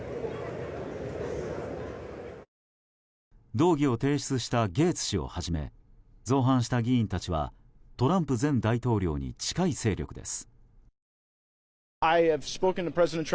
動議を提出したゲーツ氏をはじめ造反した議員たちはトランプ前大統領に近い勢力です。